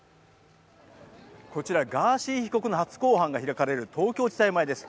こちらガーシー被告の初公判が開かれる東京地裁前です。